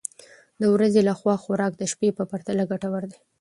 د ورځې لخوا خوراک د شپې په پرتله ګټور دی.